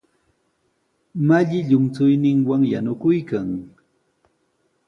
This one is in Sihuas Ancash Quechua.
Malli llumchuyninwan yanukuykan.